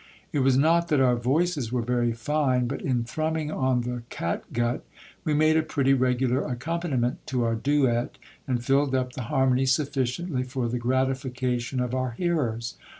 It was not that our voices were very fine ; but in thrumming on the catgut, we made a pretty regular accompaniment to our duet, and filled up the harmony sufficiently for the gratification of our hearers.